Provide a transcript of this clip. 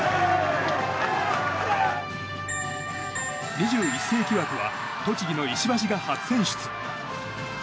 ２１世紀枠は栃木の石橋が初選出。